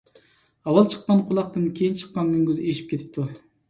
ئاۋۋال چىققان قۇلاقتىن كېيىن چىققان مۈڭگۈز ئېشىپ كېتىدۇ.